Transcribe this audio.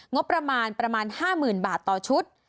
งบประมาณประมาณ๕๐๐๐บาทต่อชุด